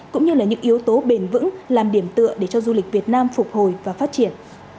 cũng như là những yếu tố bền vững làm điểm tựa để cho du lịch việt nam phục hồi và phát triển